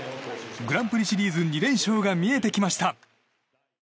グランプリシリーズ２連勝が見えてきました。